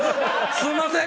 すみません！